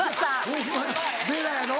ホンマにベラやろ。